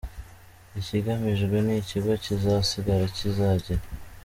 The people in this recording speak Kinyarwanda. Ikigamijwe ni ikigo kizasigara kizagira.